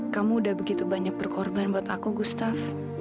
kamu udah begitu banyak berkorban buat aku gustaf